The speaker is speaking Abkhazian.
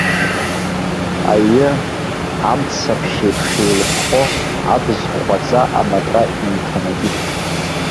Аҩы, амцаԥшь еиԥш еилыԥхо, абз хәхәаӡа аматра иҩҭанакит.